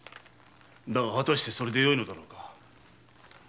だがはたしてそれでよいのだろうか？